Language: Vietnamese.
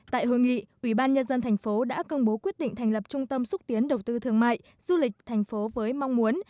tại hội nghị ủy ban nhân dân thành phố đã công bố quyết định thành lập trung tâm xúc tiến đầu tư thương mại du lịch thành phố với mong muốn